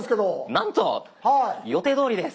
なんと！予定どおりです。